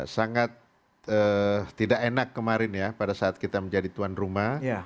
sangat tidak enak kemarin ya pada saat kita menjadi tuan rumah